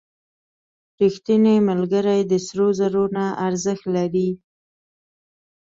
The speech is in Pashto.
• رښتینی ملګری د سرو زرو نه ارزښت لري.